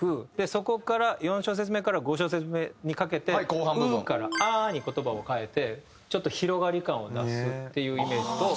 そこから４小節目から５小節目にかけて「Ｕｈ」から「Ａｈ」に言葉を変えてちょっと広がり感を出すっていうイメージと。